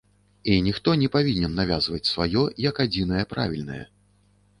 І ніхто не павінен навязваць сваё як адзінае правільнае.